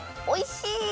おいしい！